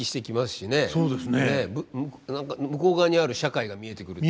何か向こう側にある社会が見えてくる。